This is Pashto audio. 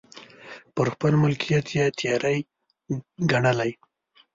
پر خپل ملکیت یې تېری ګڼلی.